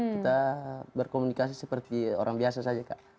kita berkomunikasi seperti orang biasa saja kak